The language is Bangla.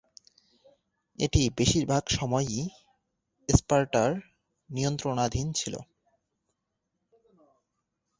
এটি বেশিরভাগ সময়ই স্পার্টার নিয়ন্ত্রণাধীন ছিল।